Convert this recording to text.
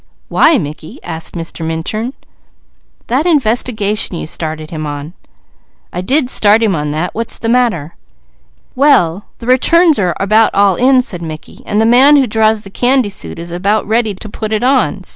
"Why Mickey?" asked Mr. Minturn. "That investigation you started him on." "I did start him on that. What's the matter?" "Well the returns are about all in," said Mickey, "and the man who draws the candy suit is about ready to put it on.